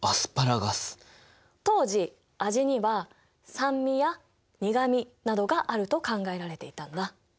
当時味には酸味や苦味などがあると考えられていたんだ。